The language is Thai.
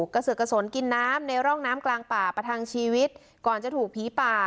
กระเสือกกระสนกินน้ำในร่องน้ำกลางป่าประทังชีวิตก่อนจะถูกผีป่า